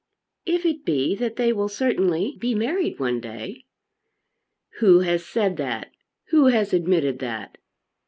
"If it be that they will certainly be married one day " "Who has said that? Who has admitted that?"